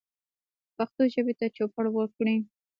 پښتو ژبې ته چوپړ وکړئ